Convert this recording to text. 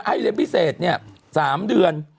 เรียนพิเศษเนี่ย๓เดือน